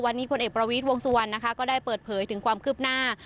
วันนี้พลเอกประวิทย์วงสุวรรณนะคะก็ได้เปิดเผยถึงความคืบหน้า